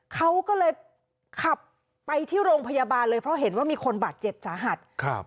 เขาก็เลยขับไปที่โรงพยาบาลเลยเพราะเห็นว่ามีคนบาดเจ็บสาหัสครับ